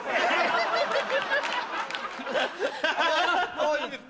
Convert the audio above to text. もういいです。